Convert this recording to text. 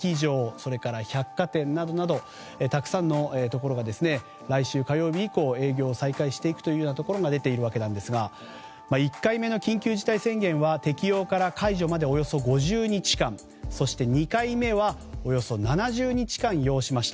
それから百貨店などなどたくさんのところが来週火曜日以降営業を再開していくというところが出ているわけですが１回目の緊急事態宣言は適用から解除までおよそ５０日間そして２回目はおよそ７０日間を要しました。